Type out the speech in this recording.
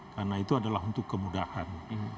karena itu adalah untuk kemudahan